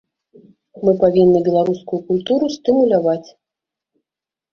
Мы павінны беларускую культуру стымуляваць.